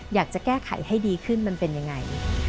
อยากจะแก้ไขให้ดีขึ้นมันเป็นยังไง